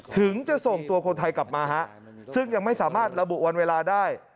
ถึงจะส่งตัวคนไทยกลับมาฮะซึ่งยังไม่สามารถระบุวันเวลาได้